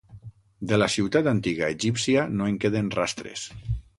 De la ciutat antiga egípcia no en queden rastres.